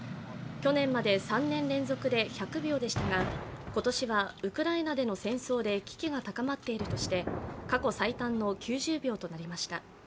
去年まで３年連続で１００秒でしたが、今年はウクライナでの戦争で危機が高まっているとして過去最短の９０秒となりました。